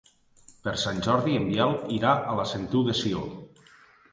Per Sant Jordi en Biel irà a la Sentiu de Sió.